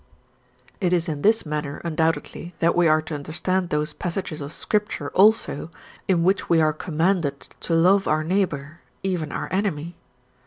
It is in this manner, undoubtedly, that we are to understand those passages of Scripture also in which we are commanded to love our neighbour, even our enemy.